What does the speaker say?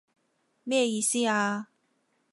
咩意思啊？